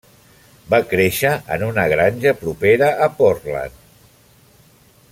Va créixer en una granja propera a Portland.